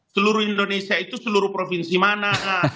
seluruh indonesia itu seluruh provinsi mana